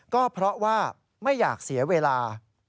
ก็เพราะว่าไม่อยากเสียเวลา